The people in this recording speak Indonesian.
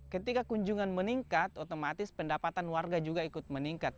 ketika kunjungan meningkat otomatis pendapatan warga juga ikut meningkat